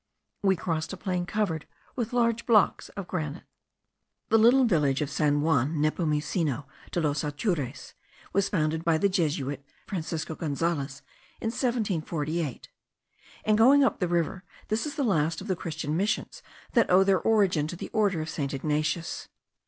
We crossed a plain covered with large blocks of granite. The little village of San Juan Nepomuceno de los Atures was founded by the Jesuit Francisco Gonzales, in 1748. In going up the river this is the last of the Christian missions that owe their origin to the order of St. Ignatius.